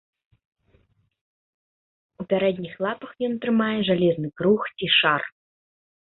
У пярэдніх лапах ён трымае жалезны круг ці шар.